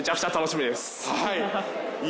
はい。